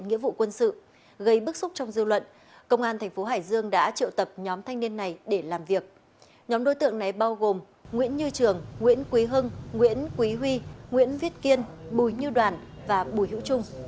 nguyễn quý hưng nguyễn quý huy nguyễn viết kiên bùi như đoàn và bùi hữu trung